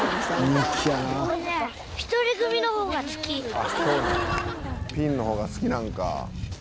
「ああそうなんやピンの方が好きなんか」